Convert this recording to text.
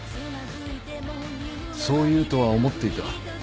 そう言うとは思っていた